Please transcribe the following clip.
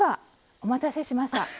お待たせしました。